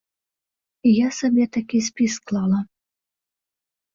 І я сабе такі спіс склала.